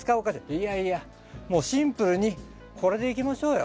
いやいやもうシンプルにこれでいきましょうよ。